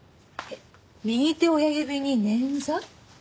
右手親指に捻挫？